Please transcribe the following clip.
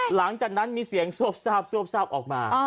หลังจากนั้นมีเสียงโซบออกมา